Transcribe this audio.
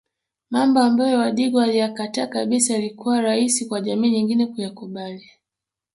Mambo ambayo wadigo waliyakataa kabisa ilikuwa rahisi kwa jamii nyingine kuyakubali